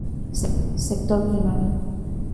Sector primario.